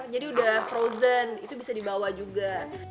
jadi udah frozen itu bisa dibawa juga